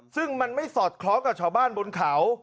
ซึ่งมันไม่สอดคล้องกับชาวบ้านบนเขา